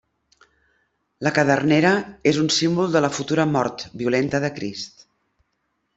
La cadernera és un símbol de la futura mort violenta de Crist.